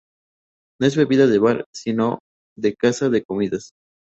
No es bebida de bar, sino de casa de comidas.